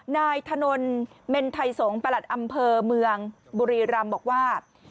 นายถนนเมนไทยสงศ์ประหลัดอำเภอเมืองบุรีรำบอกว่า